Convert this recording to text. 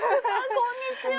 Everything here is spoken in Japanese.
こんにちは。